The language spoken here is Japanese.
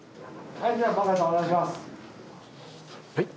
はい？